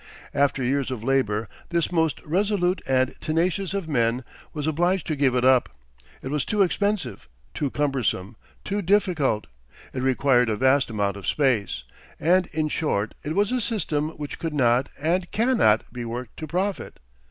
After years of labor this most resolute and tenacious of men was obliged to give it up. It was too expensive, too cumbersome, too difficult; it required a vast amount of space; and, in short, it was a system which could not, and cannot, be worked to profit.